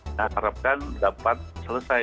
kita harapkan dapat selesai